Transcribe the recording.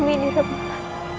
amin ya allah